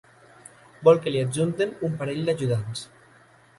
Vol que li adjuntin un parell d'ajudants.